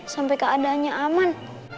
sampai keadaannya aman